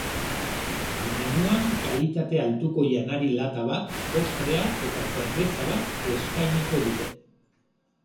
Menuan kalitate altuko janari lata bat, postrea eta zerbeza bat eskainiko dute.